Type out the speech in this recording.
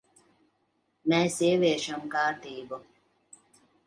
Mēs ieviešam kārtību.